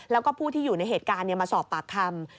แล้วก็ผู้ที่อยู่ในเหตุการณ์มาสอบปากคำ